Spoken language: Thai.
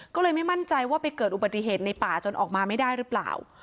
ก็เลยไม่มั่นใจว่าไปเกิดอุบัติเหตุในป่าจนออกมาไม่ได้หรือเปล่า